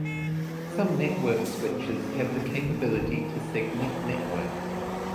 Some network switches have the capability to segment networks.